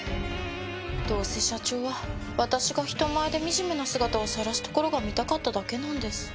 どうせ社長は私が人前で惨めな姿をさらすところが見たかっただけなんです。